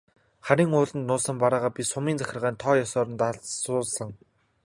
Харин ууланд нуусан бараагаа би сумын захиргаанд тоо ёсоор нь данслуулсан.